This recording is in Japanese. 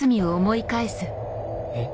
えっ。